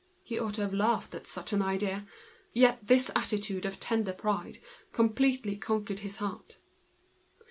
He ought to have laughed at such an idea, and this attitude of tender pride completely conquered his heart.